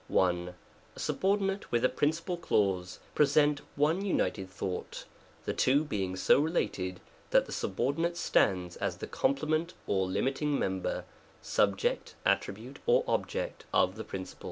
1. A subordinate with a principal clause, present one united thought, the two being so related that the subordinate stands as the complement or limiting mem ber (subject, attribute, or object) of the principal.